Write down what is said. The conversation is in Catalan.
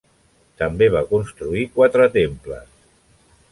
També va construir quatre temples.